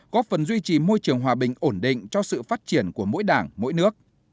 góp phần duy trì môi trường hòa bình ổn định cho sự phát triển của mỗi đảng mỗi nước